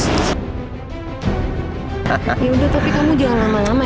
yaudah tapi kamu jangan lama lama